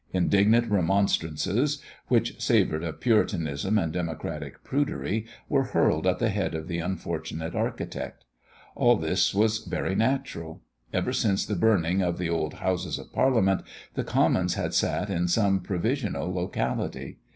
Indignant remonstrances, which savoured of Puritanism and democratic prudery, were hurled at the head of the unfortunate architect. All this was very natural. Ever since the burning of the old Houses of Parliament, the Commons had sat in some provisional locality.